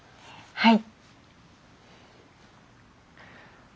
はい。